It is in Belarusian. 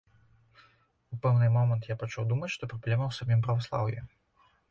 У пэўны момант я пачаў думаць, што праблема ў самім праваслаўі.